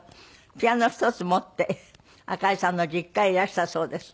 ピアノ一つ持って赤井さんの実家へいらしたそうです。